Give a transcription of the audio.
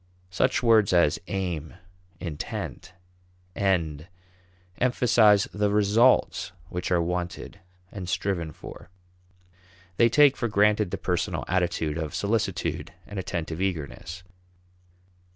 Such words as aim, intent, end, emphasize the results which are wanted and striven for; they take for granted the personal attitude of solicitude and attentive eagerness.